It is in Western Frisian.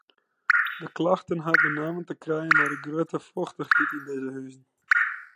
De klachten ha benammen te krijen mei de grutte fochtichheid yn dizze huzen.